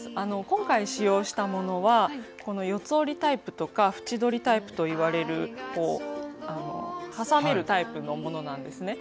今回使用したものはこの四つ折りタイプとか縁取りタイプといわれるこう挟めるタイプのものなんですね。